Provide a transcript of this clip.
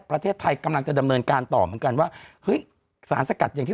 ประเทศไทยกำลังจะดำเนินการต่อเหมือนกันว่าเฮ้ยสารสกัดอย่างที่